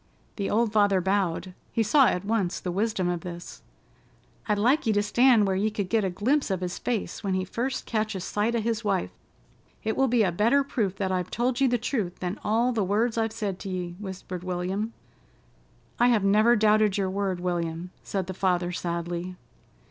The old father bowed. He saw at once the wisdom of this. "I'd like ye to stand where ye could get a glimpse of his face when he first catches sight o' his wife. It will be a better proof that I've told ye the truth than all the words I've said to ye," whispered William. "I have never doubted your word, William," said the father sadly.